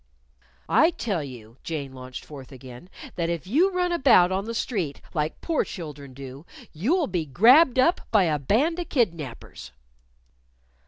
"I tell you," Jane launched forth again, "that if you run about on the street, like poor children do, you'll be grabbed up by a band of kidnapers."